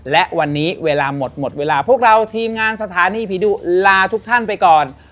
และวันนี้เวลาหมดหมดเวลาพวกเราทีมงานสถานีผีดุลาทุกท่านไปก่อน